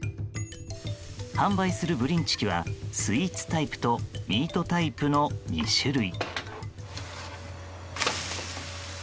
販売するブリンチキはスイーツタイプとミートタイプの２種類。